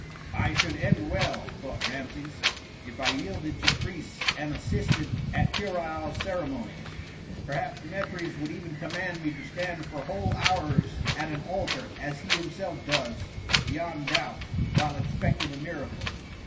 "I should end well," thought Rameses, "if I yielded to priests and assisted at puerile ceremonies. Perhaps Mefres would even command me to stand for whole hours at an altar, as he himself does, beyond doubt, while expecting a miracle."